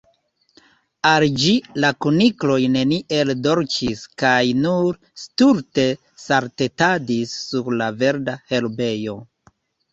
Al ĝi, la kunikloj neniel dolĉis, kaj nur stulte saltetadis sur la verda herbejo.